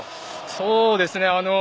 そうですね。